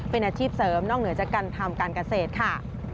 เป็นอาชีพเสริมนอกเหนือจากการทำการเกษตรค่ะ